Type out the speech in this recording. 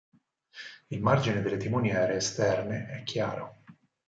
Il margine delle timoniere esterne è chiaro.